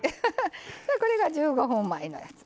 これが１５分前のやつ。